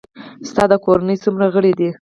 ستا د کورنۍ څومره غړي دي؟